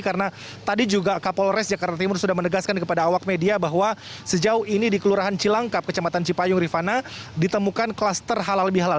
karena tadi juga kapolres jakarta timur sudah menegaskan kepada awak media bahwa sejauh ini di kelurahan cilangkap kecamatan cipayung rifana ditemukan klaster halal bihalal